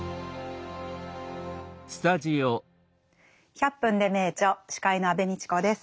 「１００分ｄｅ名著」司会の安部みちこです。